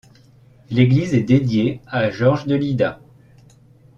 L'église est dédiée à Georges de Lydda.